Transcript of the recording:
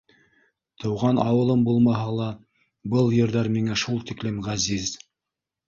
Тыуған ауылым булмаһа ла, был ерҙәр миңә шул тиклем ғәзиз.